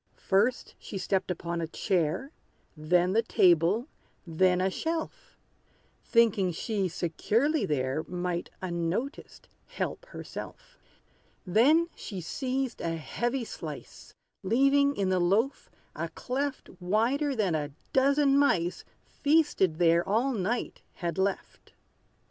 First, she stepped upon a chair; Then the table then a shelf; Thinking she securely there Might, unnoticed, help herself. Then she seized a heavy slice, Leaving in the loaf a cleft Wider than a dozen mice, Feasted there all night, had left.